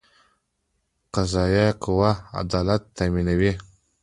قضایه قوه عدالت تامینوي